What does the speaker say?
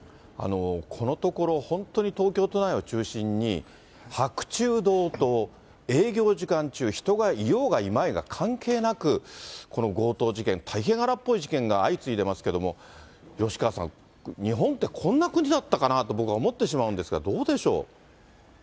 このところ、本当に東京都内を中心に、白昼堂々、営業時間中、人がいようがいまいが関係なく、この強盗事件、大変荒っぽい事件が相次いでますけども、吉川さん、日本ってこんな国だったかなと、僕は思ってしまうんですが、どうでしょう？